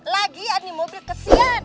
lagi yan nih mobil kesian